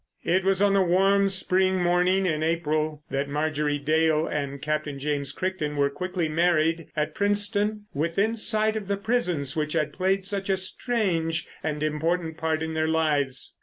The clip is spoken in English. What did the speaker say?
It was on a warm, spring morning in April that Marjorie Dale and Captain James Crichton were quietly married at Princetown, within sight of the prisons which had played such a strange and important part in their lives.